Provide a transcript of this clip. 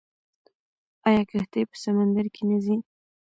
آیا کښتۍ په سمندر کې نه ځي؟